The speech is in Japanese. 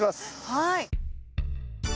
はい。